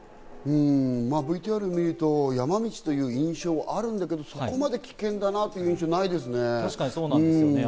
ＶＴＲを見ると山道という印象はあるんだけど、そこまで危険だなという印象はないですね。